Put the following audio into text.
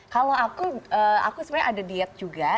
kalau aku aku sebenarnya ada diet juga